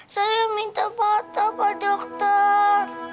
saya minta mata pak dokter